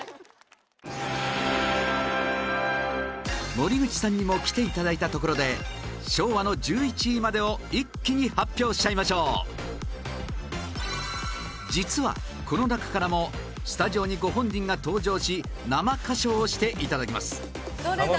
森口さんにも来ていただいたところで昭和の１１位までを一気に発表しちゃいましょう実は、この中からもスタジオにご本人が登場し生歌唱していただきます森口：どれだ？